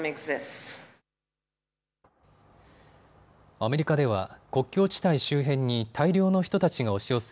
アメリカでは国境地帯周辺に大量の人たちが押し寄せ